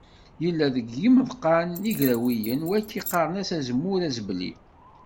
Yella deg yimeḍqan d igrawiyen, wagi qqaren-as azemmur azebli.